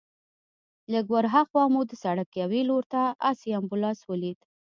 لږ ورهاخوا مو د سړک یوې لور ته آسي امبولانس ولید.